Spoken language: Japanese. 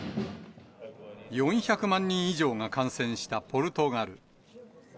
４００万人以上が感染したポルトガル。